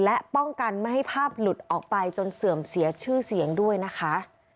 และป้องกันไม่ให้ภาพหลุดออกไปจนเสื่อมเสียชื่อเสียงด้วยนะคะ